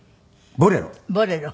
ボレロ。